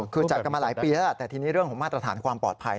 คือจัดกันมาหลายปีแล้วล่ะแต่ทีนี้เรื่องของมาตรฐานความปลอดภัย